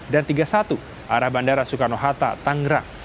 dan tiga puluh satu arah bandara soekarno hatta tangerang